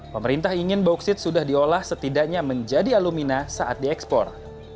pemerintah ingin bauksit sudah diolah setidaknya menjadi alumina saat diekspor